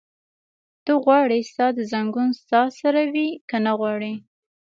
ته غواړې ستا ځنګون ستا سره وي؟ که نه غواړې؟